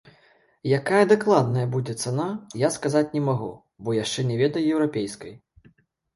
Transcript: Якая дакладная будзе цана, я сказаць не магу, бо яшчэ не ведаю еўрапейскай.